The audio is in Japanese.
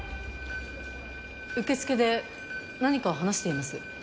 受付で何かを話しています。